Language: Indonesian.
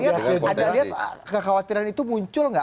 jadi saya lihat kekhawatiran itu muncul nggak